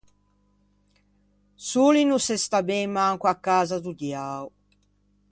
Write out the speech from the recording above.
Soli no se stà ben manco à casa do diao.